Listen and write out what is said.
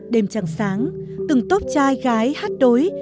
đêm trăng sáng từng tốt trai gái hát đối